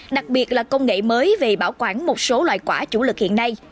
đặc biệt là công nghệ mới về bảo quản một số loại quả chủ lực hiện nay